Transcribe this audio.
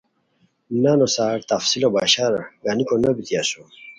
نانو سار تفصیلو بشار گانیکو نو بیتی اسوم